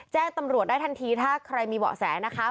แจ้งตำรวจได้ทันทีถ้าใครมีเบาะแสนะคะ